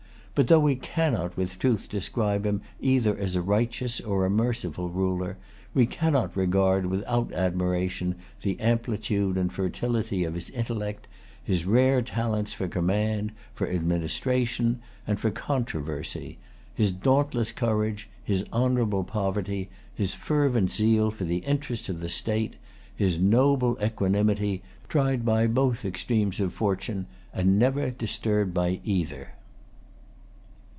But though we cannot with truth describe him either as a righteous or as a merciful ruler, we cannot regard without admiration the amplitude and fertility of his intellect, his rare talents for command, for administration, and for controversy, his dauntless courage, his honorable poverty, his fervent zeal for the interests of the state, his noble equanimity, tried by both extremes of fortune, and never disturbed by either.